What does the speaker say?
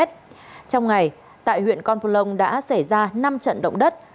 trong ngày tại huyện con plong đã xảy ra năm trận động đất